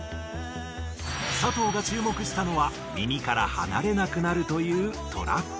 佐藤が注目したのは耳から離れなくなるというトラック。